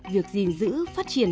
việc gìn giữ phát triển